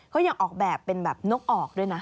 เขายังออกแบบเป็นแบบนกออกด้วยนะ